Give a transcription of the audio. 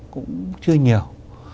cũng chưa nhiều